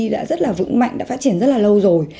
đã rất là vững mạnh đã phát triển rất là lâu rồi